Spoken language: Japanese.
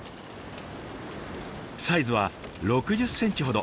サイズは６０ｃｍほど。